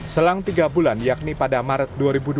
selang tiga bulan yakni pada maret dua ribu dua puluh